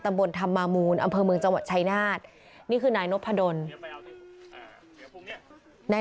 ตำบลธรรมามูลอำเภอเมืองจังหวัดชายนาฏนี่คือนายนพดลนาย